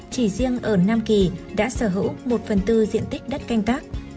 chỉ riêng ở nam kỳ đã sở hữu một phần tư diện tích đất canh tác